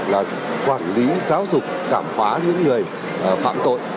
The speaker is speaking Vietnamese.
là quản lý giáo dục cảm hóa những người phạm tội